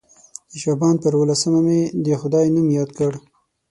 د شعبان پر اووه لسمه مې د خدای نوم یاد کړ.